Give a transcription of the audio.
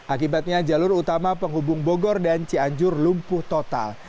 akibatnya jalur utama penghubung bogor dan cianjur lumpuh total